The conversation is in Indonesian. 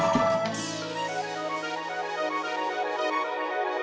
ketemu sama otang